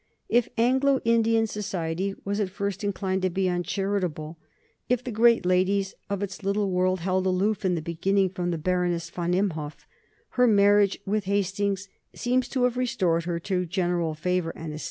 If Anglo Indian society was at first inclined to be uncharitable, if the great ladies of its little world held aloof in the beginning from the Baroness von Imhoff, her marriage with Hastings seems to have restored her to general favor and esteem.